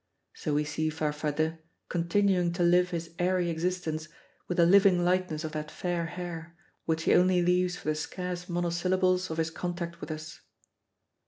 So we see Farfadet continuing to live his airy existence with the living likeness of that fair hair, which he only leaves for the scarce monosyllables of his contact with us.